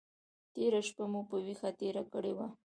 تېره شپه مو په ویښه تېره کړې وه.